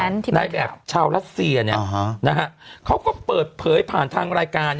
นายแบบชาวรัสเซียเนี่ยนะฮะเขาก็เปิดเผยผ่านทางรายการ